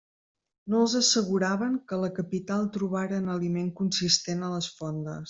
No els asseguraven que a la capital trobaren aliment consistent a les fondes.